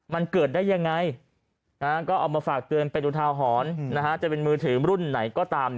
มันเกิดได้ยังไงก็เอามาฝากเตือนเป็นอุทาหรณ์จะเป็นมือถือรุ่นไหนก็ตาม